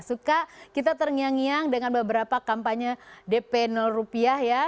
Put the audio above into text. suka kita terngiang ngiang dengan beberapa kampanye dp rupiah ya